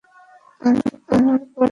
আমার পরের শিকার হলো পাজলের সবচেয়ে বড় অংশ।